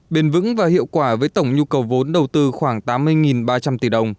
bền vững và hiệu quả với tổng nhu cầu vốn đầu tư khoảng tám mươi ba trăm linh tỷ đồng